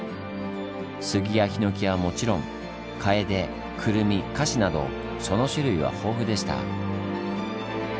スギやヒノキはもちろんカエデクルミカシなどその種類は豊富でした。